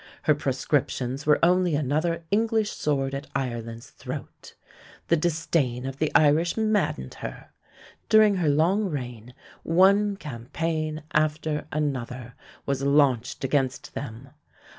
Her proscriptions were only another English sword at Ireland's throat. The disdain of the Irish maddened her. During her long reign one campaign after another was launched against them.